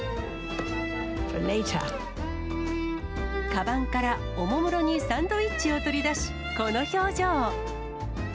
かばんからおもむろにサンドイッチを取り出し、この表情。